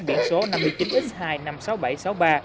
biển số năm mươi chín x hai trăm năm mươi sáu nghìn bảy trăm sáu mươi ba